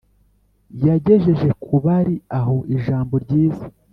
yagejeje ku bari aho ijambo ryiza.